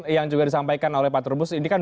yang juga disampaikan oleh pak trubus ini kan